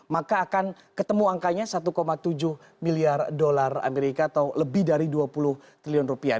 maka akan ketemu angkanya satu tujuh miliar dolar amerika atau lebih dari dua puluh triliun rupiah